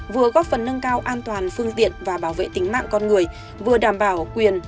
vừa góp phần nâng cao an toàn phương tiện và bảo vệ tính mạng con người vừa đảm bảo quyền